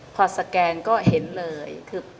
พอสแกนก็เห็นเลยคือ